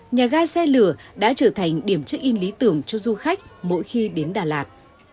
nhà gai xe lửa đã trở thành điểm check in lý tưởng cho du khách mỗi khi đến đà lạt